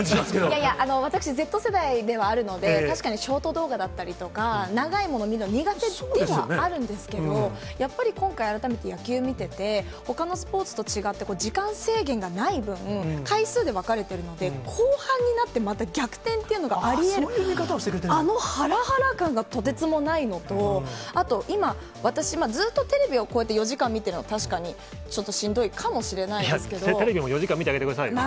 いやいや、私Ｚ世代ではあるので、確かにショート動画だったりとか、長いもの見るの苦手ではあるんですけど、やっぱり今回、改めて野球見てて、ほかのスポーツと違って、時間制限がない分、回数で分かれてるので、後半になって、また逆転っていうのがありえる、あのはらはら感がとてつもないのと、後今、私今ずっとテレビをこうやって４時間見てるの、確かにちょっとしテレビも４時間見てあげてくださいよ。